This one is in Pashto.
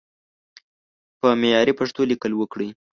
په معياري پښتو ليکل وکړئ!